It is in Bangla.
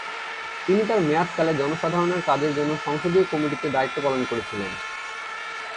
তিনি তার মেয়াদকালে জনসাধারণের কাজের জন্য সংসদীয় কমিটিতে দায়িত্ব পালন করেছিলেন।